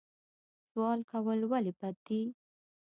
سوال کول ولې بد دي؟